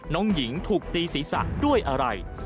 น้องหญิงถูกตีศีรษะด้วยอะไร